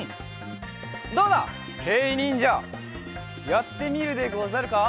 どうだけいにんじゃやってみるでござるか？